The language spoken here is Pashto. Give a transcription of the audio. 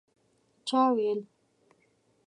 چا ویل